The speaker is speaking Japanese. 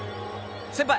先輩。